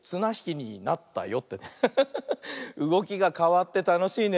うごきがかわってたのしいね。